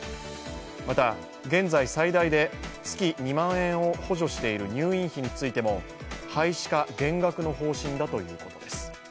また、現在最大で月２万円を補助している入院費についても廃止か減額の方針だということです。